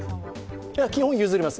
基本譲ります。